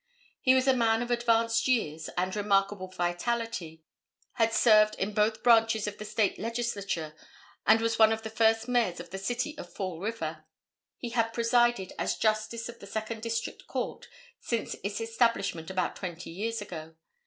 He was a man of advanced years and remarkable vitality, had served in both branches of the State legislature and was one of the first mayors of the city of Fall River. He had presided as Justice of the Second District Court since its establishment about twenty years ago.